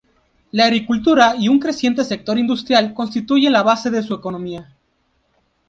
La agricultura y un creciente sector industrial constituyen la base de su economía.